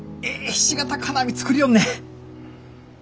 ひし形金網作りよんねん。